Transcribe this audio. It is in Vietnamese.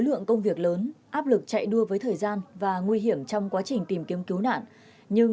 lượng công việc lớn áp lực chạy đua với thời gian và nguy hiểm trong quá trình tìm kiếm cứu nạn nhưng